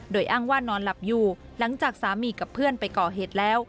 โดยอ้างว่านอนหลับอยู่หลังจากสามีกับเพื่อนไปก่อเหตุแล้ว